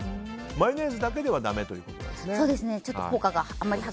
マヨネーズだけではだめということですね。